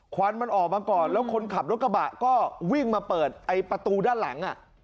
วันมันออกมาก่อนแล้วคนขับรถกระบะก็วิ่งมาเปิดไอ้ประตูด้านหลัง